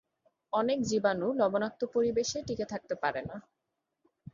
অনেক জীবাণু লবণাক্ত পরিবেশে টিকে থাকতে পারে না।